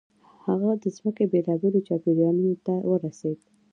هغه د ځمکې بېلابېلو چاپېریالونو ته ورسېد.